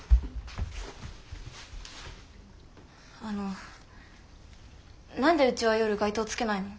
あの何でうちは夜外灯つけないの？